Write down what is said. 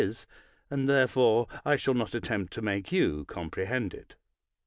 is, and therefore I shall not attempt to make you comprehend it.